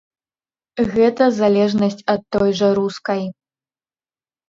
Гэта залежнасць ад той жа рускай.